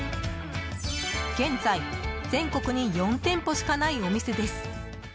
現在、全国に４店舗しかないお店です。